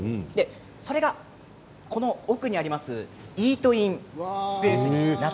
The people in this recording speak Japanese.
それが奥にありますイートインスペースです。